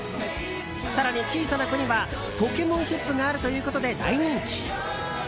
更に、小さな子にはポケモンショップがあるということで大人気。